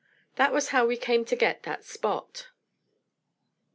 That was how we came to get that Spot.